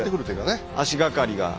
足がかりが。